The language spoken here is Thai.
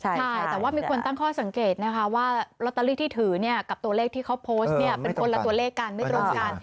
ใช่แต่ว่ามีคนตั้งข้อสังเกตนะคะว่าลอตเตอรี่ที่ถือกับตัวเลขที่เขาโพสต์เป็นคนละตัวเลขกันไม่ตรงกัน